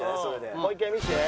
もう一回見せて。